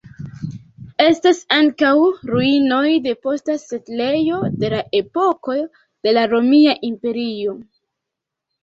Estas ankaŭ ruinoj de posta setlejo de la epoko de la Romia Imperio.